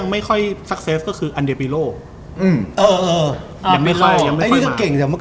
ไม่ถอยลงไปแล้ว